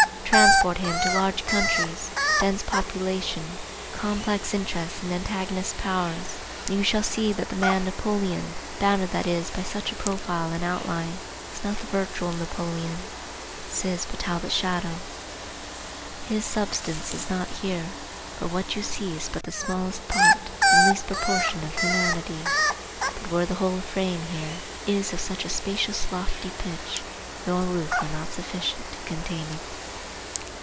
Transport him to large countries, dense population, complex interests and antagonist power, and you shall see that the man Napoleon, bounded that is by such a profile and outline, is not the virtual Napoleon. This is but Talbot's shadow;— "His substance is not here. For what you see is but the smallest part And least proportion of humanity; But were the whole frame here, It is of such a spacious, lofty pitch, Your roof were not sufficient to contain it."